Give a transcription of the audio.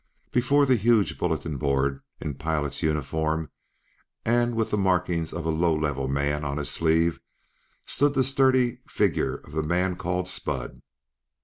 Before the huge bulletin board, in pilot's uniform and with the markings of a low level man on his sleeve, stood the sturdy figure of the man called Spud.